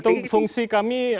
itu fungsi kami